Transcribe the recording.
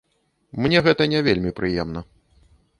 Мне гэта не вельмі прыемна.